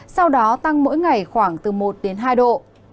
sau đó tăng mỗi ngày khoảng từ một đến hai độ